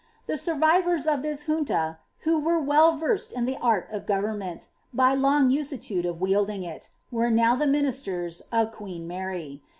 The survivors of this Junta, who were well verged in thl^ »rl of government, hy long uselude of wielding it, were now the minis ters of queen Mary.